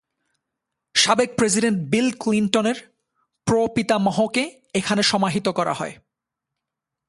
সাবেক president Bill ক্লিনটনের প্রপিতামহকে এখানে সমাহিত করা হয়।